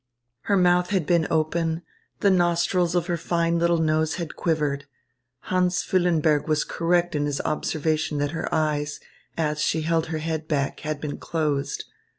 Her mouth had been open, the nostrils of her fine little nose had quivered. Hans Füllenberg was correct in his observation that her eyes, as she held her head back, had been closed.